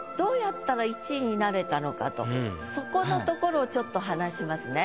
じゃあこれをそこのところをちょっと話しますね。